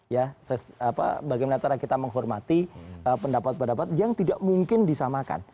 ya bagaimana cara kita menghormati pendapat pendapat yang tidak mungkin disamakan